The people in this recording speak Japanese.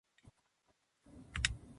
プラネタリウムへ行きました。